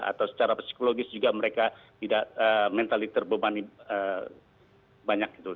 atau secara psikologis juga mereka tidak mental terbebani banyak gitu